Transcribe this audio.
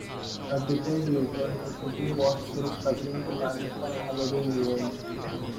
A decade later the city was still struggling to manage the Halloween event.